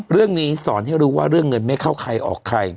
เรื่องนี้สอนให้รู้ว่าเรื่องเงินไม่เข้าใครออกใคร